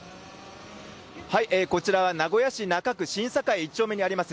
こちらは名古屋市中区新栄一丁目にあります